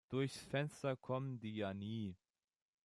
Durch Fenster kommen die ja nie.